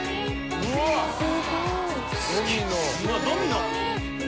うわドミノ。